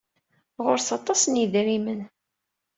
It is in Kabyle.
Ɣur-s aṭas n yedrimen.